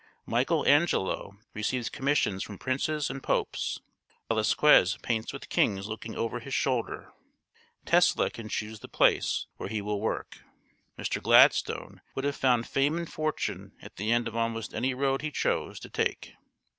Michael Angelo receives commissions from princes and popes; Velasquez paints with kings looking over his shoulder; Tesla can choose the place where he will work; Mr. Gladstone would have found fame and fortune at the end of almost any road he chose to take.